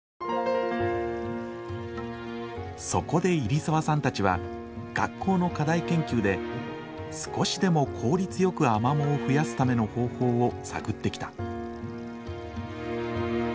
そこで入澤さんたちは学校の課題研究で少しでも効率よくアマモを増やすための方法を探ってきた。